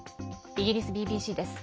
イギリスＢＢＣです。